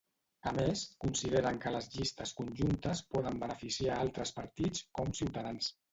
A més, consideren que les llistes conjuntes poden beneficiar altres partits, com Ciutadans.